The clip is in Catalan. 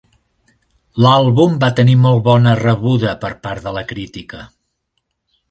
L'àlbum va tenir molt bona rebuda per part de la crítica.